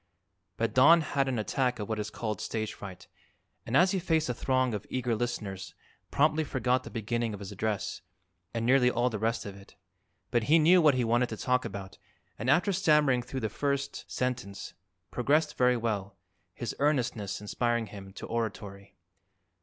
But Don had an attack of what is called "stage fright" and as he faced the throng of eager listeners promptly forgot the beginning of his address and nearly all the rest of it. But he knew what he wanted to talk about and after stammering through the first sentence, progressed very well, his earnestness inspiring him to oratory.